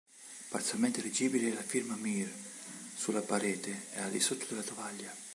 Parzialmente leggibile è la firma "Meer" sulla parete, al di sotto della tovaglia.